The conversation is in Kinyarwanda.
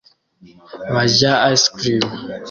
barya ice cream